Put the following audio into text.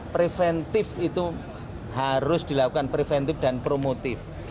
preventif itu harus dilakukan preventif dan promotif